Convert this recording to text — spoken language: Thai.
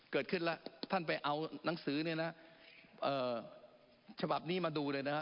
เกิดขึ้นแล้วท่านไปเอานังสือเนี่ยนะฉบับนี้มาดูเลยนะฮะ